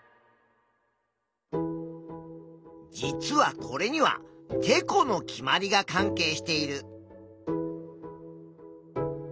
実はこれにはてこの決まりが関係している。